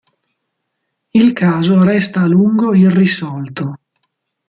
Il caso resta a lungo irrisolto.